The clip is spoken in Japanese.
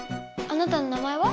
あなたの名前は？